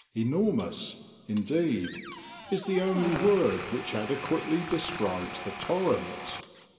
Enormous, indeed, is the only word which ade ] quately describes the torrent.